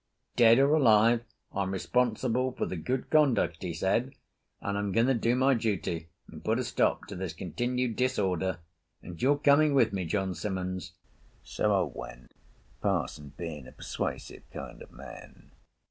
"Dead or alive, I'm responsible for the good conduct," he said, "and I'm going to do my duty and put a stop to this continued disorder. And you are coming with me John Simmons." So I went, parson being a persuasive kind of man.